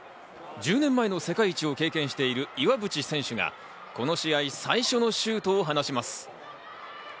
１０年前の世界一を経験している岩渕選手がこの試合最初のシュートを放ちます。